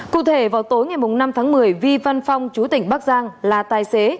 cụ thể vào tối ngày năm tháng một mươi vi văn phong chú tỉnh bắc giang là tài xế